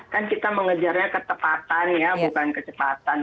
kan kita mengejarnya ketepatan ya bukan kecepatan